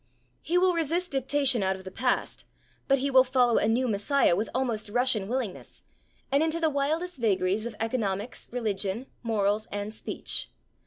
He will resist dictation out of the past, but he will follow a new messiah with almost Russian willingness, and into the wildest vagaries of economics, religion, morals and speech.